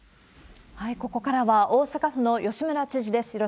ここからは大阪府の吉村知事です。